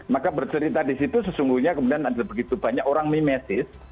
maka bercerita di situ sesungguhnya kemudian ada begitu banyak orang mimesis